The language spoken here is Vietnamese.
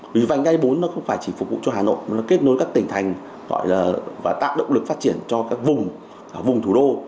vì vành đai bốn nó không phải chỉ phục vụ cho hà nội nó kết nối các tỉnh thành và tạo động lực phát triển cho các vùng vùng thủ đô